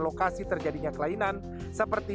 lokasi terjadinya kelainan seperti